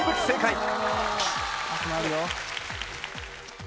正解。